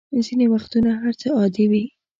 ځینې وختونه هر څه عادي وي.